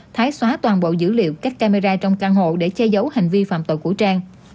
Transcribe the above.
thái xóa toàn bộ dữ liệu cách camera trong căn hộ để che giấu hành vi phạm tội của trang